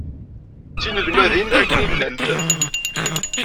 D tinelmadin akken llant.